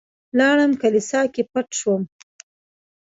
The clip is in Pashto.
لاړم کليسا کې پټ شوم.